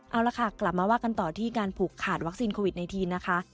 เอาละค่ะกลับมาว่ากันต่อที่การผูกขาดวัคซีนโควิด๑๙นะคะ